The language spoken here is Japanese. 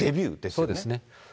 そうですね。